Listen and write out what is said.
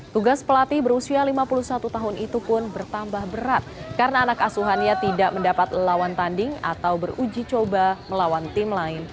tugas pelatih berusia lima puluh satu tahun itu pun bertambah berat karena anak asuhannya tidak mendapat lawan tanding atau beruji coba melawan tim lain